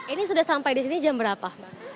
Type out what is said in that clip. ini sudah sampai di sini jam berapa